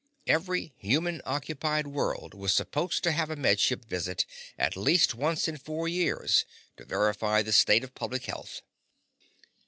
Every human occupied world was supposed to have a Med Ship visit at least once in four years to verify the state of public health.